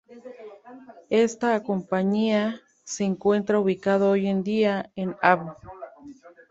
Esta compañía se encuentra ubicada hoy en día en Av.